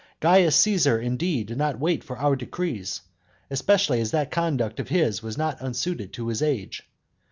Caius Caesar, indeed, did not wait for our decrees; especially as that conduct of his was not unsuited to his age.